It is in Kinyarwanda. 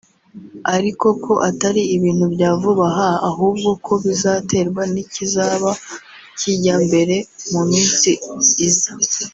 ariko ko atari ibintu bya vuba aha ahubwo ko bizaterwa n’ikizaba kijya mbere mu minsi iza